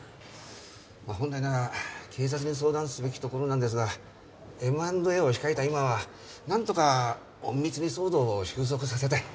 本来なら警察に相談すべきところなんですがＭ＆Ａを控えた今は何とか隠密に騒動を収束させたい。